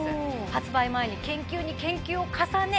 発売前に研究に研究を重ね